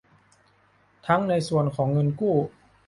ทั้งในส่วนของเงินกู้